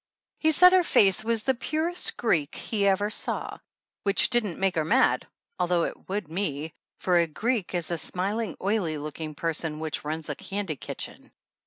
He said her face was the purest Greek he ever saw, which didn't make her mad, although it would me, for a Greek is a smiling, oily looking person which runs a candy kitchen.